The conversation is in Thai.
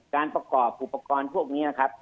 การประกอบอุปกรณ์พวกนี้นะครับ